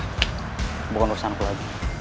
kamu mau lulusan aku lagi